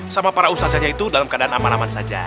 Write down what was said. sama para ustazahnya itu dalam keadaan aman aman saja